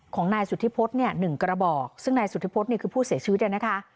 ของนายสุธิพฤษเนี่ย๑กระบอกซึ่งนายสุธิพฤษเนี่ยคือผู้เสียชีวิตนะคะ